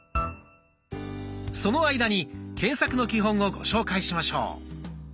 その間に検索の基本をご紹介しましょう。